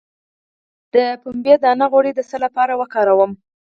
د پنبې دانه غوړي د څه لپاره وکاروم؟